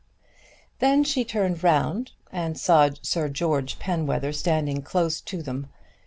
Then she turned round and saw Sir George Penwether standing close to them.